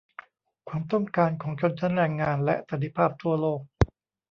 ความต้องการของชนชั้นแรงงาน และสันติภาพทั่วโลก